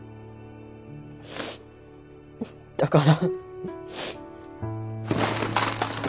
だから。